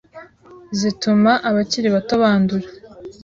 zituma abakiri bato bandura